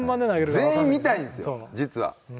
全員見たいんですよ実は。